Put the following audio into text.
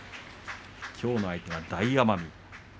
きょうの相手は大奄美